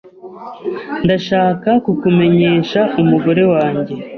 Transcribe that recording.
Ndashaka kukumenyesha umugore wanjye.